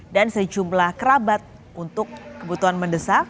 dan sejumlah kerabat untuk kebutuhan mendesak